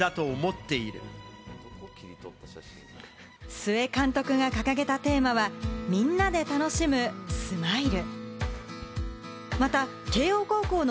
須江監督が掲げたテーマは「みんなで楽しむスマイル」。